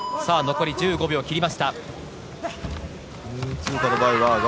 残り１５秒を切りました。